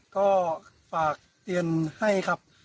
ก็ฝากเตือนให้ครับ